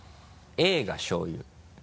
「Ａ」がしょう油。